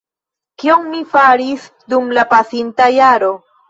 kion mi faris dum la pasinta jaro.